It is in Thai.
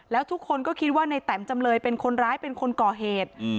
แล้วทุกคนก็คิดว่าในแตมจำเลยเป็นคนร้ายเป็นคนก่อเหตุ